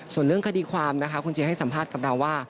ส่วนเรื่องคดีความนะคะคุณเจให้สัมภาษณ์กับเราว่า